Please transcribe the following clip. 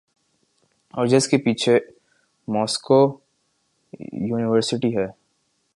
اورجس کے پیچھے Moscow University ہے۔